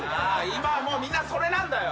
今はみんなそれなんだよ。